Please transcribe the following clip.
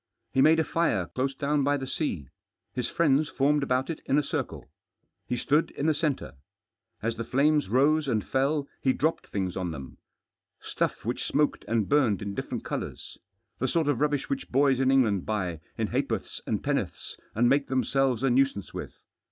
He made a fir§ close down by the sea. His friends formed about it in a circle. He stood in the centre. As the flames rose and fell he dropped things on them, stuff which smoked and burned in different colours. The sort of rubbish which boys in England buy in ha'porths and penn'orths, and make themselves a nuisance with.